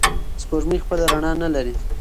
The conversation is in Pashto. سپوږمۍ خپله رڼا نلري.